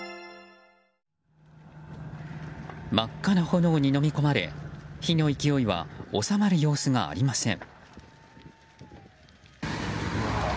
真っ赤な炎にのみ込まれ火の勢いは収まる様子がありません。